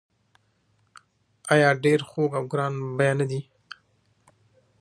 آیا ډیر خوږ او ګران بیه نه دي؟